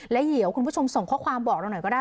แล้วเดี๋ยวคุณผู้ชมส่งข้อความบอกเราหน่อยก็ได้